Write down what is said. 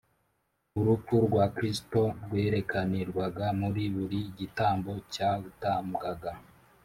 . Urupfu rwa Kristo rwerekanirwaga muri buri gitambo cyatambwaga.